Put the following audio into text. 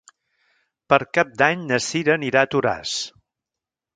Per Cap d'Any na Cira anirà a Toràs.